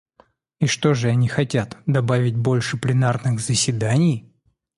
И что же они хотят — добавить больше пленарных заседаний?